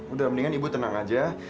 udah mendingan ibu tenang aja